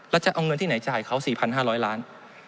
แล้วจะเอาเงินที่ไหนจ่ายเขา๔๕๐๐ล้าน